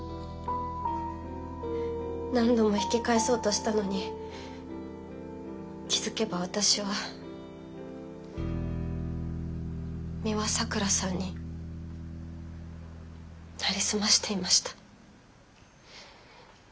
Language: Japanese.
何度も引き返そうとしたのに気付けば私は美羽さくらさんになりすましていました。